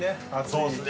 そうですね